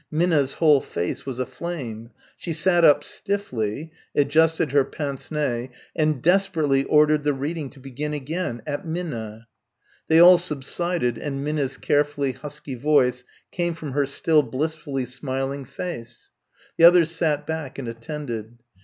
Minna's whole face was aflame. She sat up stiffly adjusted her pince nez and desperately ordered the reading to begin again at Minna. They all subsided and Minna's careful husky voice came from her still blissfully smiling face. The others sat back and attended.